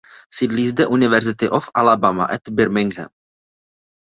Sídlí zde University of Alabama at Birmingham.